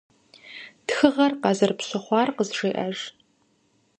Тхыгъэр къазэрыпщыхъуар къызжеӏэж.